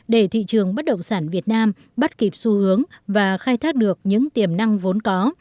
để thị trường bất động sản việt nam bắt kịp xu hướng và khai thác được những tiềm năng vốn có